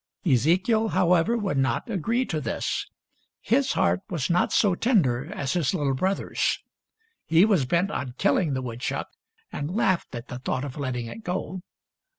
Ezekiel, however, would not agree to this. His heart was not so tender as his little brother's. He was bent on killing the woodchuck, and laughed at the thought of letting it go.